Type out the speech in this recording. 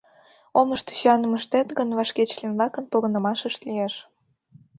Омышто сӱаным ыштет гын, вашке член-влакын погынымашышт лиеш.